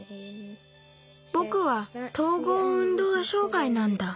ぼくは統合運動障害なんだ。